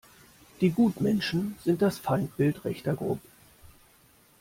Die Gutmenschen sind das Feindbild rechter Gruppen.